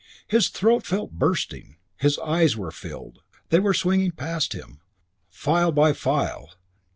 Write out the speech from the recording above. His throat felt bursting. His eyes were filled. They were swinging past him, file by file.